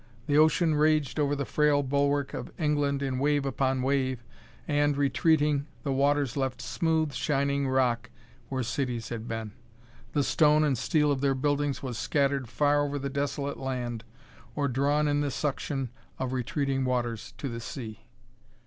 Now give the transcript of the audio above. The ocean raged over the frail bulwark of England in wave upon wave, and, retreating, the waters left smooth, shining rock where cities had been. The stone and steel of their buildings was scattered far over the desolate land or drawn in the suction of retreating waters to the sea.